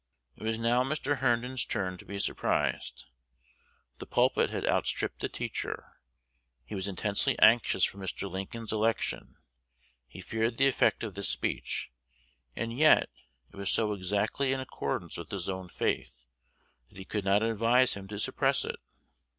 It was now Mr. Herndon's turn to be surprised: the pupil had outstripped the teacher. He was intensely anxious for Mr. Lincoln's election: he feared the effect of this speech; and yet it was so exactly in accordance with his own faith, that he could not advise him to suppress it.